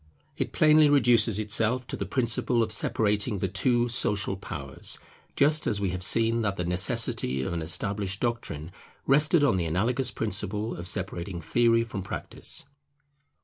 It plainly reduces itself to the principle of separating the two social powers; just as we have seen that the necessity of an established doctrine rested on the analogous principle of separating theory from practice.